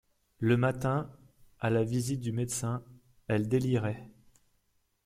Le matin, à la visite du médecin, elle délirait.